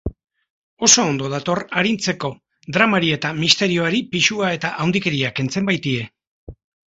Oso ondo dator arintzeko, dramari eta misterioari pisua eta handikeria kentzen baitie.